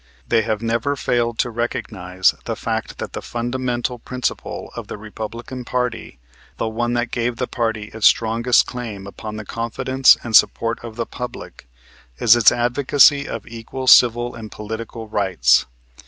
They have never failed to recognize the fact that the fundamental principle of the Republican party, the one that gave the party its strongest claim upon the confidence and support of the public, is its advocacy of equal civil and political rights.